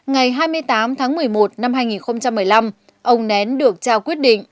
ngày hai mươi tám tháng một mươi một năm hai nghìn một mươi năm ông nén được trao quyết định